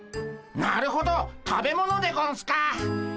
なるほど食べ物でゴンスか。